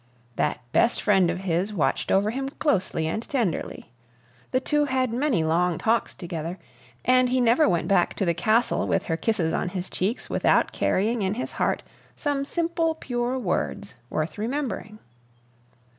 That "best friend" of his watched over him ever closely and tenderly. The two had many long talks together, and he never went back to the Castle with her kisses on his cheeks without carrying in his heart some simple, pure words worth remembering.